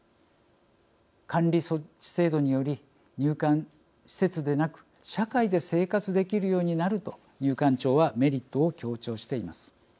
管理措置制度により入管施設でなく社会で生活できるようになると入管庁はメリットを強調しています。